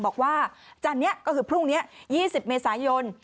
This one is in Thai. บอกว่าจันนี้ก็คือพรุ่งนี้๒๐เมษายน